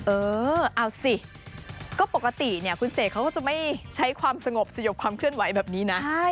เออเอาสิก็ปกติเนี่ยคุณเสกเขาก็จะไม่ใช้ความสงบสยบความเคลื่อนไหวแบบนี้นะ